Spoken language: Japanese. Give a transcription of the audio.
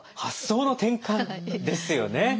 発想の転換ですよね。